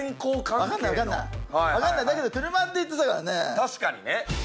確かにね。